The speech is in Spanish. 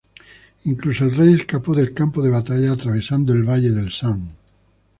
Incluso el rey escapó del campo de batalla atravesando el valle del San.